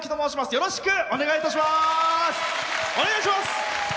よろしくお願いします！